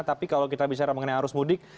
tapi kalau kita bicara mengenai arus mudik